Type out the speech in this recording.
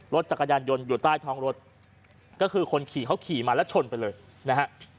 รถจักรยานยนต์อยู่ใต้ท้องรถก็คือคนขี่เขาขี่มาแล้วชนไปเลยนะฮะ